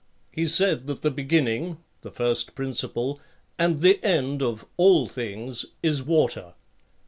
He said that the begin ning (the first principle) and the end of all things is water.